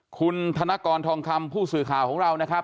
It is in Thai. คุณธนกรทองคำผู้สื่อข่าวของเรานะครับ